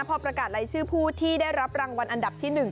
พอประกาศรายชื่อผู้ที่ได้รับรางวัลอันดับที่๑